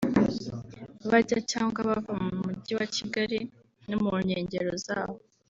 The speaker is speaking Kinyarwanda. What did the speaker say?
bajya cyangwa bava mu Mujyi wa Kigali no mu nkengero zawo